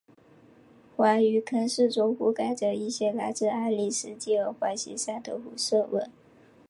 环陨坑四周覆盖着一些来自阿里斯基尔环形山的辐射纹。